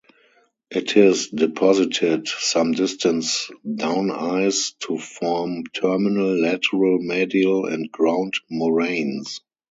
It is deposited some distance down-ice to form terminal, lateral, medial and ground moraines.